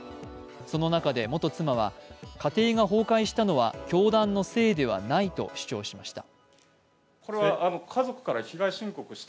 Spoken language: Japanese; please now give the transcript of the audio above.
その中で元妻は、家庭が崩壊したのは教団のせいではないと主張しました。